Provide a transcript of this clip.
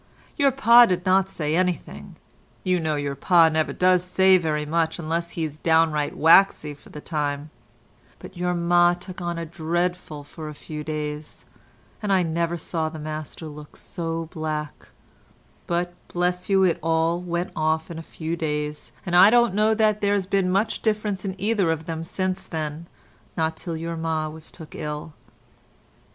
Your pa did not say anything; you know your pa never does say very much unless he's downright waxy for the time; but your ma took on dreadful for a few days, and I never saw the master look so black; but, bless you, it all went off in a few days, and I don't know that there's been much difference in either of them since then, not till your ma was took ill."